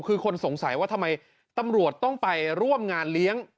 คือคนสงสัยว่าทำไมตำรวจต้องไปร่วมงานเลี้ยง